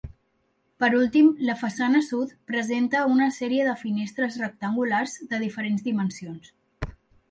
Per últim la façana sud presenta una sèrie de finestres rectangulars de diferents dimensions.